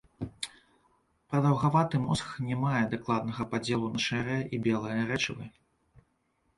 Прадаўгаваты мозг не мае дакладнага падзелу на шэрае і белае рэчывы.